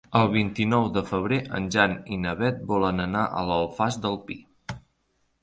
El vint-i-nou de febrer en Jan i na Beth volen anar a l'Alfàs del Pi.